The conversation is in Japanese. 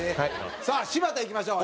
さあ柴田いきましょう。